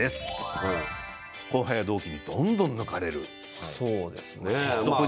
後輩や同期にどんどん抜かれる。